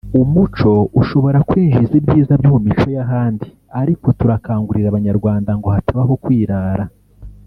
umuco ushobora kwinjiza ibyiza byo mu mico y’ahandi ariko turakangurira Abanyarwanda ngo hatabaho kwirara